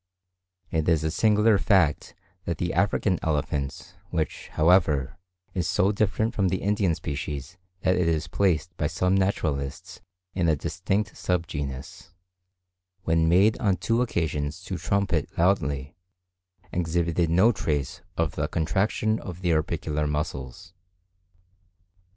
It is a singular fact that the African elephant, which, however, is so different from the Indian species that it is placed by some naturalists in a distinct sub genus, when made on two occasions to trumpet loudly, exhibited no trace of the contraction of the orbicular muscles.